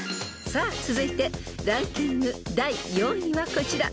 ［さあ続いてランキング第４位はこちら］